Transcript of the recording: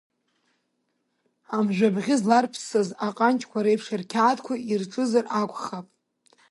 Амжәабӷьы зларԥсаз аҟанҷқәа реиԥш, рқьаадқәа ирҿызар акәхап.